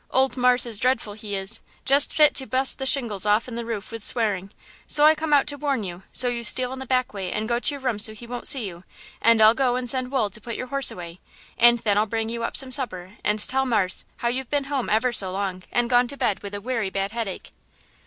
Old marse is dreadful he is! Jest fit to bust the shingles offen the roof with swearing! So I come out to warn you, so you steal in the back way and go to your room so he won't see you, and I'll go and send Wool to put your horse away, and then I'll bring you up some supper and tell old marse how you've been home ever so long, and gone to bed with a werry bad headache."